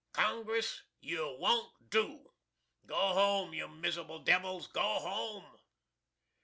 Congress, you won't do. Go home, you mizzerable devils go home!